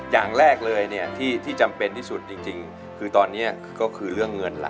อย่างแรกเลยเนี่ยที่จำเป็นที่สุดจริงคือตอนนี้ก็คือเรื่องเงินล่ะ